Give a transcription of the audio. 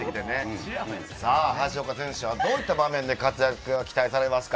橋岡選手、どういった場面で活躍が期待されますか？